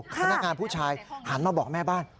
พนักงานผู้ชายหันมาบอกแม่บ้าน